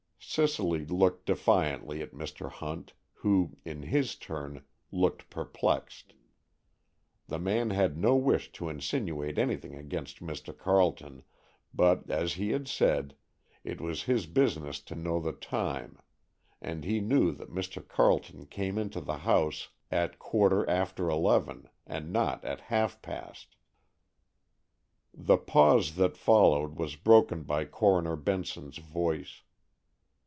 Cicely looked defiantly at Mr. Hunt, who, in his turn, looked perplexed. The man had no wish to insinuate anything against Mr. Carleton, but as he had said, it was his business to know the time, and he knew that Mr. Carleton came into the house at quarter after eleven, and not at half past. The pause that followed was broken by Coroner Benson's voice.